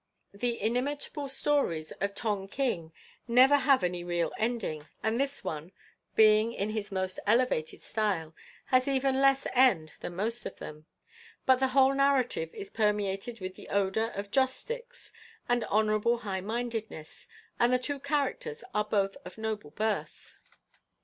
"The inimitable stories of Tong king never have any real ending, and this one, being in his most elevated style, has even less end than most of them. But the whole narrative is permeated with the odour of joss sticks and honourable high mindedness, and the two characters are both of noble birth."